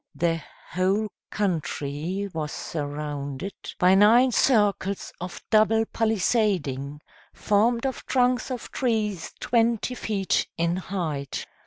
The whole country was surrounded by nine circles of double palisading, formed of trunks of trees twenty feet in height.